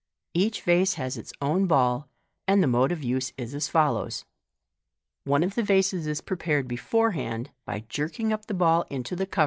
Each vase has its own ball, and the mode of use is as follows :— One of the vases is prepared beforehand by jerking up the ball into the coverf Fig.